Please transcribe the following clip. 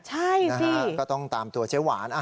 ใช่นะฮะก็ต้องตามตัวเจ๊หวาน